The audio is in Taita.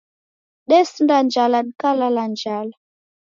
Desinda njala dikalala njala.